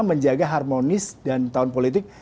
menjaga harmonis dan tahun politik